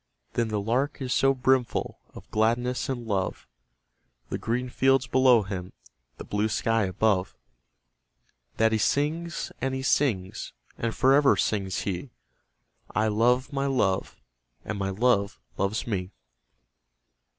But the Lark is so brimful of gladness and love, The green fields below him, the blue sky above, That he sings, and he sings; and for ever sings he 'I love my Love, and my Love loves me!'